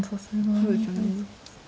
そうですよね。